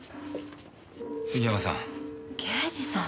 杉山さん。